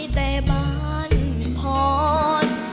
แต่บ้านผ่อน